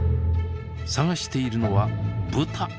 探しているのはブタ。